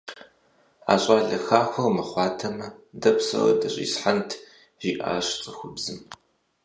А щӀалэ хахуэр мыхъуатэмэ, дэ псори дыщӀисхьэнт, - жиӀащ цӀыхубзым.